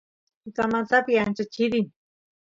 tutamantapi ancha chirin